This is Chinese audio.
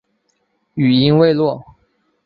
语音未落